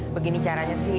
begini caranya sih